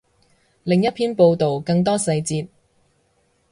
另一篇报道，更多细节